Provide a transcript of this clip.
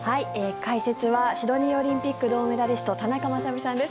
解説はシドニーオリンピック銅メダリスト田中雅美さんです。